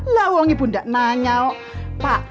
lah uang ibu gak nanya pak